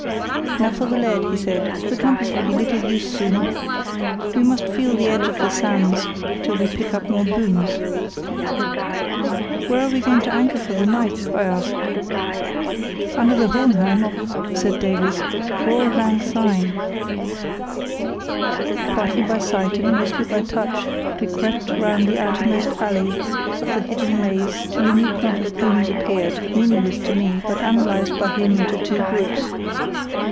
"Now for the lead," he said; "the compass'll be little use soon. We must feel the edge of the sands till we pick up more booms." "Where are we going to anchor for the night?" I asked. "Under the Hohenhörn," said Davies, "for auld lang syne!" Partly by sight and mostly by touch we crept round the outermost alley of the hidden maze till a new clump of booms appeared, meaningless to me, but analysed by him into two groups.